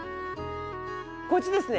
こっちですね。